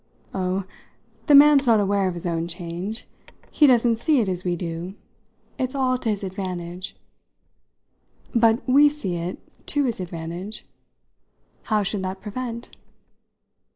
"Oh, the man's not aware of his own change. He doesn't see it as we do. It's all to his advantage." "But we see it to his advantage. How should that prevent?"